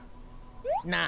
なあ？